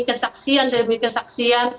kesaksian demi kesaksian